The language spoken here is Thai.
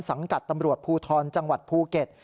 สังกัดตำรวจภูทรจังหวัดภูเก็ต